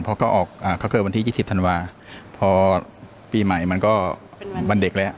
พอก็ออกก็เกิดวันที่๒๐ธันวาพอปีใหม่มันก็วันเด็กแล้ว